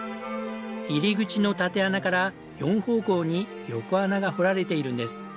入り口の縦穴から４方向に横穴が掘られているんです。